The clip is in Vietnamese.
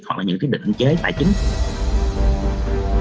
hoặc là những cái định chế tài chính